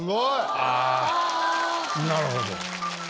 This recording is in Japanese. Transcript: なるほど。